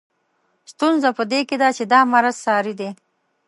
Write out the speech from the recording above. ستونزه په دې کې ده چې دا مرض ساري دی.